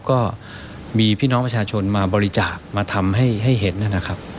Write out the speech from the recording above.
ก็มีพี่น้องประชาชนมาบริจาคมาทำให้เห็นนะครับ